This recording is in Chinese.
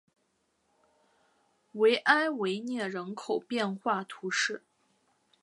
维埃维涅人口变化图示